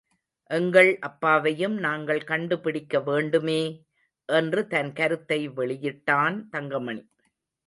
எங்கள் அப்பாவையும் நாங்கள் கண்டுபிடிக்க வேண்டுமே! என்று தன் கருத்தை வெளியிட்டான் தங்கமணி.